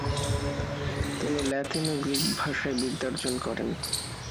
তিনি ল্যাতিন ও গ্রিক ভাষায় বিদ্যার্জন করেন।